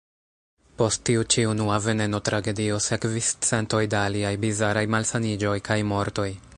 Post tiu ĉi unua veneno-tragedio sekvis centoj da aliaj bizaraj malsaniĝoj kaj mortoj.